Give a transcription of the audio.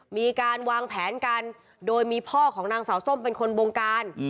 มีการวางแผนกันโดยมีพ่อของนางสาวส้มเป็นคนบงการ